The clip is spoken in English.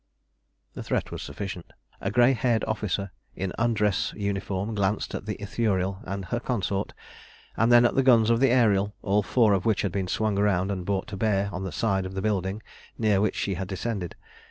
The threat was sufficient. A grey haired officer in undress uniform glanced up at the Ithuriel and her consort, and then at the guns of the Ariel, all four of which had been swung round and brought to bear on the side of the building near which she had descended.